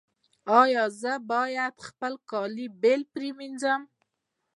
ایا زه باید خپل کالي بیل پریمنځم؟